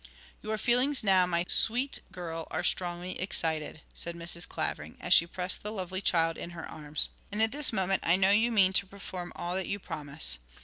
'Your feelings now, my sweet girl, are strongly excited,' said Mrs. Clavering, as she pressed the lovely child in her arms, 'and at this moment I know you mean to perform all that you promise.